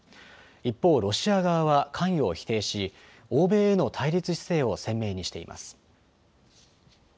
一方、ロシア側は関与を否定し欧米への対立姿勢を鮮明にしています。